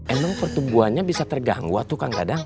emang pertumbuhannya bisa terganggu tuh kang dadang